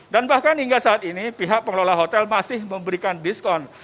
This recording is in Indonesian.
bahkan hingga saat ini pihak pengelola hotel masih memberikan diskon